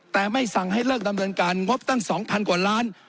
แต่ไม่สั่งให้เริ่มทำในการงบตั้งสองพันกว่าล้าน